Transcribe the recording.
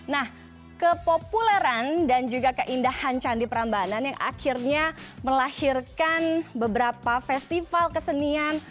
nah kepopuleran dan juga keindahan candi prambanan yang akhirnya melahirkan beberapa festival kesenian